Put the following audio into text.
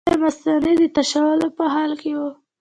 هغه د مثانې د تشولو په حال کې وو.